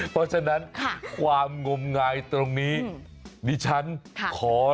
เพราะฉะนั้นความงมงายตรงนี้ดิฉันขอ